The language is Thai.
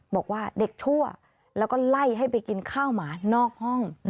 บอกว่าเด็กชั่วแล้วก็ไล่ให้ไปกินข้าวหมานอกห้อง